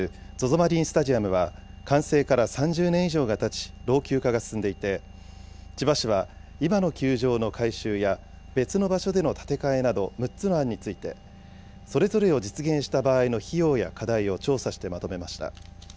マリンスタジアムは完成から３０年以上がたち、老朽化が進んでいて、千葉市は、今の球場の改修や、別の場所での建て替えなど、６つの案について、それぞれを実現した場合の費用や課題を調査してまとめました。